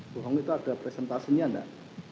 bu hong itu ada presentasinya enggak